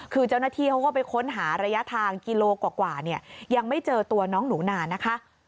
คือเจ้าหน้าที่เขาก็ไปค้นหาระยะทางกิโลกว่าเนี่ยยังไม่เจอตัวน้องหนูนานะคะ